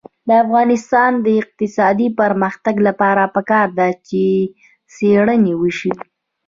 د افغانستان د اقتصادي پرمختګ لپاره پکار ده چې څېړنې وشي.